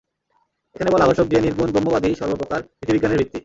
এখানে বলা আবশ্যক যে, নির্গুণ ব্রহ্মবাদই সর্বপ্রকার নীতিবিজ্ঞানের ভিত্তি।